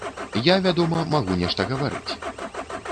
Я, вядома, магу нешта гаварыць.